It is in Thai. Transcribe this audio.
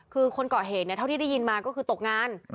คือคนเกาะเหตุเท่าที่ได้ยินมาก็คือตกงาน